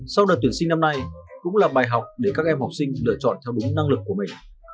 sau đợt tuyển sinh năm nay cũng là bài học để các em học sinh lựa chọn theo đúng năng lực của mình